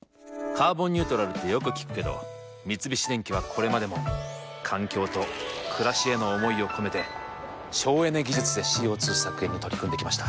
「カーボンニュートラル」ってよく聞くけど三菱電機はこれまでも環境と暮らしへの思いを込めて省エネ技術でＣＯ２削減に取り組んできました。